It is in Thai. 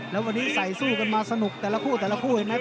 แล้ววันนี้ใส่สู้กันมาสนุกแต่ละคู่แต่ละคู่เห็นไหม